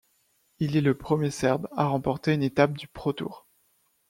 Il est le premier serbe à remporter une étape du Pro-tour.